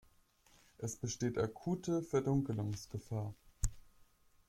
Es besteht akute Verdunkelungsgefahr.